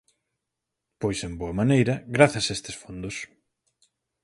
Pois, en boa maneira, grazas a estes fondos.